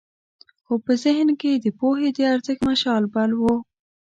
خو په ذهن کې یې د پوهې د ارزښت مشال بل و.